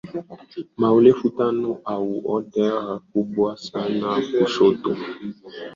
wa elfu tano au otters kubwa sana kushoto